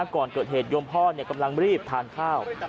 ก่อนเกิดเหตุโยมพ่อกำลังรีบทานข้าว